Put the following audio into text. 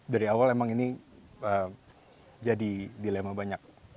dari awal emang ini jadi dilema banyak